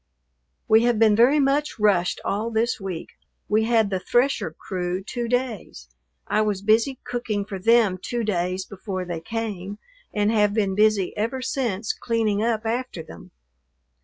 We have been very much rushed all this week. We had the thresher crew two days. I was busy cooking for them two days before they came, and have been busy ever since cleaning up after them.